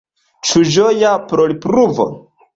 Ĉu ĝoja plorpluvo?